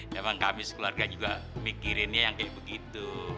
ya bang khamis keluarga juga mikirinnya yang kayak begitu